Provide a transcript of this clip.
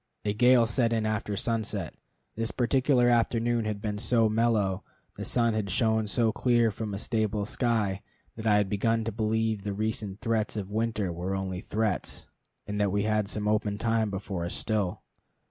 A gale set in after sunset. This particular afternoon had been so mellow, the sun had shone so clear from a stable sky, that I had begun to believe the recent threats of winter were only threats, and that we had some open time before us still.